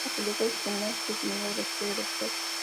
La película es el final definitivo de la historia del show.